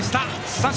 三振。